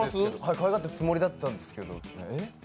かわいがってるつもりだったんですけど、えっ？